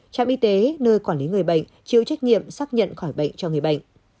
trạm y tế nơi quản lý người bệnh chịu trách nhiệm xác nhận khỏi bệnh cho người bệnh